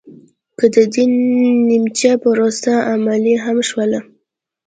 که د بن نیمچه پروسه عملي هم شوله